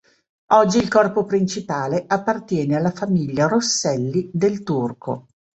Oggi il corpo principale appartiene alla famiglia Rosselli Del Turco.